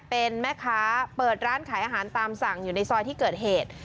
เป็นแม่ค้าเปิดร้านขายอาหารตามสั่งอยู่ในซอยที่เกิดเหตุ